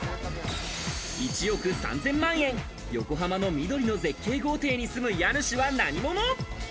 １億３０００万円、横浜の緑に囲まれた絶景豪邸に住む家主は何者？